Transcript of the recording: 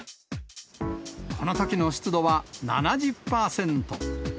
このときの湿度は７０％。